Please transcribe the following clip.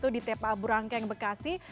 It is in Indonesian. di tpa burangkeng bekasi